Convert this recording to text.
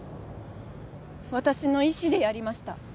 私の意思でやりました